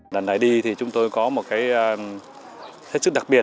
đằng này đi thì chúng tôi có một cái thích sức đặc biệt